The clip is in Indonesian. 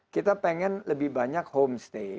kita pengen lebih banyak homestay